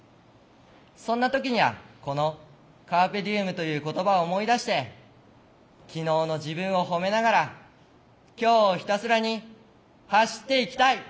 そんな時にはこの「Ｃａｒｐｅｄｉｅｍ」という言葉を思い出して昨日の自分を褒めながら今日をひたすらに走っていきたい。